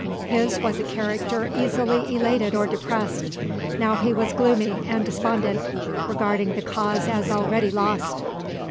His was a character easily elated or depressed. Now he was gloomy and despondent, regarding the cause as already lost.